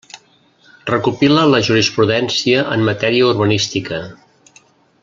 Recopila la jurisprudència en matèria urbanística.